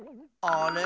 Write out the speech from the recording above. あれ？